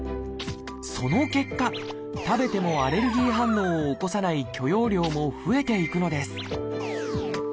その結果食べてもアレルギー反応を起こさない許容量も増えていくのです